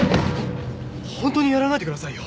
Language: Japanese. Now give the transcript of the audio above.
本当にやらないでくださいよ。